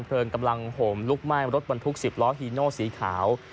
ดับเพลิงกำลังห่มลุกไหม้รถบรรพุก๑๐ล้อฮีโน่สีขาว